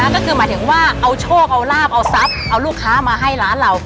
ก็คือหมายถึงว่าเอาโชคเอาลาบเอาทรัพย์เอาลูกค้ามาให้ร้านเรา